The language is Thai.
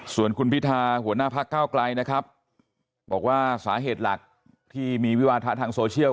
ส่วนคุณพิธาหัวหน้าพักเก้าไกลนะครับบอกว่าสาเหตุหลักที่มีวิวาทะทางโซเชียล